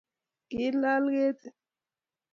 kilal kerti.